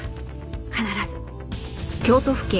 必ず。